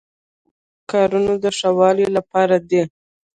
دوی ټول د کارونو د ښه والي لپاره دي.